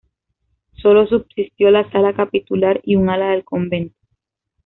Solo subsistió la sala capitular y un ala del convento.